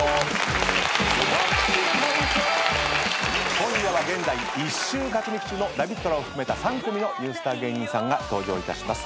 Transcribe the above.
今夜は現在１週勝ち抜き中のラビットラを含めた３組のニュースター芸人さんが登場いたします。